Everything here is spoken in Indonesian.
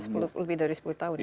sudah lebih dari sepuluh tahun ya